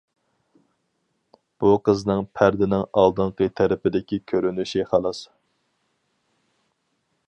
بۇ قىزنىڭ پەردىنىڭ ئالدىنقى تەرىپىدىكى كۆرۈنۈشى خالاس.